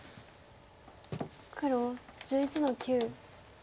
黒１１の九。